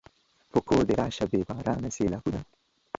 په کور دې راشه بې بارانه سېلابونه